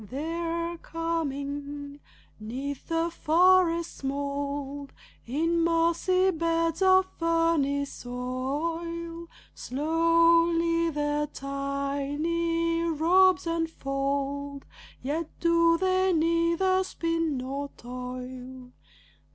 They're coming! 'Neath the forest's mold, In mossy beds of ferny soil, Slowly their tiny robes unfold, Yet do they neither spin nor toil.